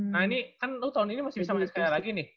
nah ini kan lu tahun ini masih bisa main skylar lagi nih